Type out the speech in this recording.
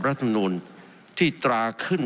รัฐมนูลที่ตราขึ้น